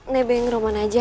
nebeng roman aja